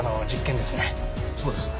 そうです。